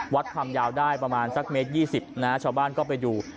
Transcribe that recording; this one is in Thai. วัดความยาวได้ประมาณสักเมตร๒๐นะฮะชาวบ้านก็ไปดู